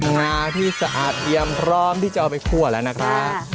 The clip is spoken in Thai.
งาที่สะอาดเอียมพร้อมที่จะเอาไปคั่วแล้วนะครับ